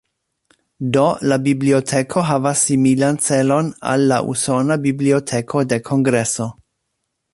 Do, la biblioteko havas similan celon al la usona Biblioteko de Kongreso.